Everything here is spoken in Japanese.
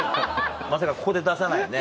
まさかここで出さないよね。